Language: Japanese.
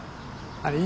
あれ